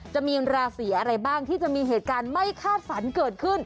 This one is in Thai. จะมีราศีอะไรบ้างที่จะมีเหตุการณ์ไม่คาดฝันเกิดขึ้น